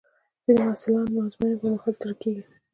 ځینې محصلین د ازموینو پر مهال ستړي کېږي.